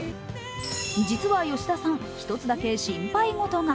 実は吉田さん、１つだけ心配事が